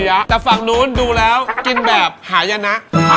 แต่ฝั่งนู้นดูแล้วกินแบบหายนะ